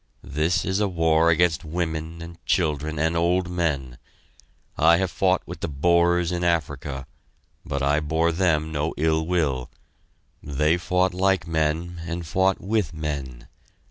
This is a war against women and children and old men. I have fought with the Boers in Africa, but I bore them no ill will they fought like men and fought with men.